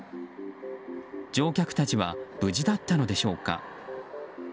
乗客たちは無事だったのでしょうか。